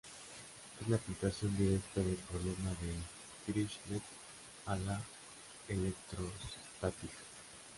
Es la aplicación directa del problema de Dirichlet a la electrostática.